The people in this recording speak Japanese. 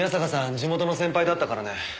地元の先輩だったからね。